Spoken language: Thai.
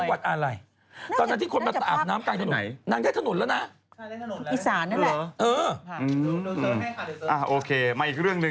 อับน้ำในบ่ออับขังกลางถนนเลย